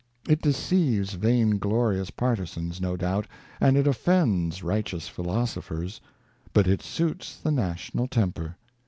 It deceives vainglorious partisans, no doubt, and it offends righteous philosophers ; but it suits the national temper.